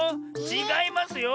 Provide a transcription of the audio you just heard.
ちがいますよ。